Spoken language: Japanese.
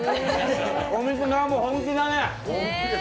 お店側も本気だね。